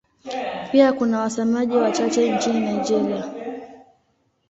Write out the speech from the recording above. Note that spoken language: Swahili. Pia kuna wasemaji wachache nchini Nigeria.